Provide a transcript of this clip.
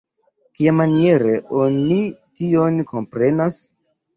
Kiamaniere oni tion komprenas?